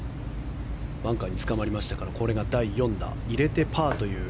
バンカーにつかまりましたからこれが第４打。入れて、パーという。